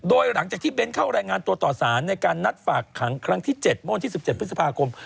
โดยหลังจากที่เบ้นเข้ารายงานตัวต่อสารในการนัดฝากขังครั้งที่๗เมื่อวันที่๑๗พฤษภาคม